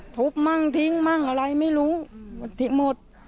บมั่งทิ้งมั่งอะไรไม่รู้มันทิ้งหมด